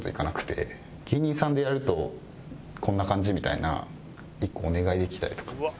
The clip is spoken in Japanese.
芸人さんでやるとこんな感じみたいな１個お願いできたりとかって。